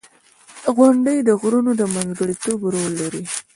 • غونډۍ د غرونو د منځګړیتوب رول لري.